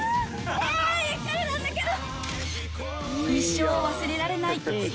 びっくりなんだけど！